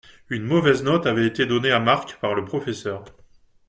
Une mauvaise note avait été donnée à Mark par le professeur.